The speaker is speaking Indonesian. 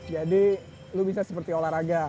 jadi lo bisa seperti olahraga